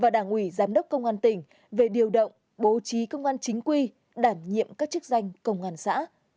và đảng ủy giám đốc công an tỉnh về điều động bố trí công an chính quy đảm nhiệm các chức danh công an xã